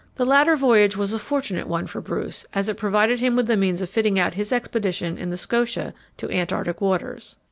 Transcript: The latter voyage was a fortunate one for Bruce, as it provided him with the means of fitting out his expedition in the Scotia to Antarctic waters.